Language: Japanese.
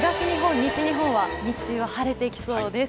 西日本は日中は晴れてきそうです。